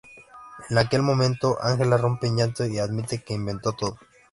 En aquel momento, Angela rompe en llanto y admite que inventó todo.